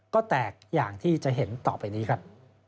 ก็แตกอย่างที่จะเห็นต่อไปนี้ครับ